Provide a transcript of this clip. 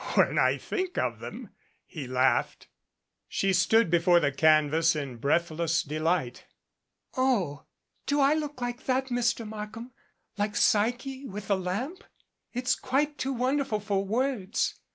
"When I think them," he laughed. 268 THE WINGS OF THE BUTTERFLY She stood before the canvas in breathless delight. "Oh, do I look like that, Mr. Markham, like Psyche with the lamp? It's quite too wonderful for words.